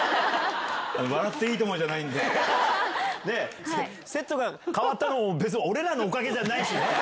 笑っていいとも！じゃないんセットが変わったの、別に俺らのおかげじゃないしね。